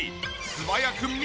素早く緑！